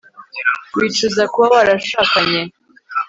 Wicuza kuba warashakanye